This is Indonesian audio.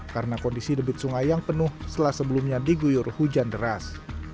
karena kondisi debit sungai yang penuh setelah sebelumnya diguyur hujan deras